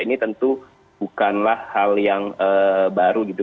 ini tentu bukanlah hal yang baru gitu